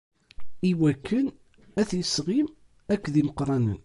Iwakken ad t-isɣim akked yimeqqranen.